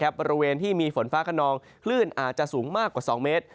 บริเวณที่มีฝนฟ้าขนองคลื่นอาจจะสูงมากกว่า๒เมตร